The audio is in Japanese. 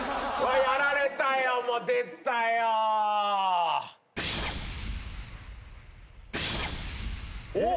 やられたよもう出たよおっ！